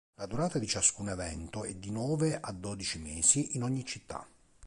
La durata di ciascun evento è di nove a dodici mesi in ogni città.